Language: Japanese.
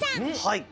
はい！